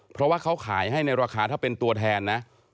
เพราะว่าเขาขายให้ในราคาถ้าเป็นตัวแทนนะ